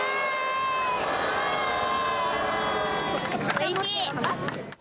おいしい。